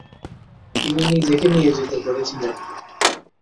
তিনি নিজেকে নিয়োজিত করেছিলেন।